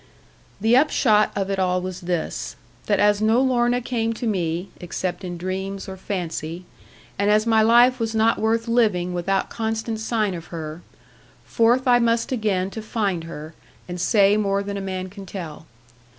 The upshot of it all was this, that as no Lorna came to me, except in dreams or fancy, and as my life was not worth living without constant sign of her, forth I must again to find her, and say more than a man can tell.